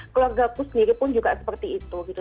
keluarga aku sendiri pun juga seperti itu gitu